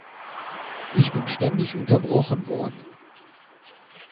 Ich bin ständig unterbrochen worden!